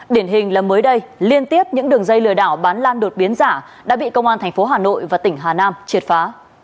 điển hình là mới đây liên tiếp những đường dây lừa đảo bán lan đột biến giả đã bị công an tp hà nội và tỉnh hà nam triệt phá